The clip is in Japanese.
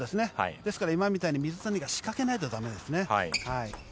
ですから、今みたいに水谷が仕掛けないと駄目ですね。